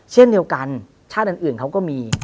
เช่นเดียวกันชาติอื่นเขาก็มี